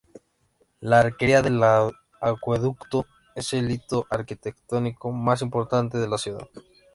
La arquería del acueducto es el hito arquitectónico más importante de la ciudad.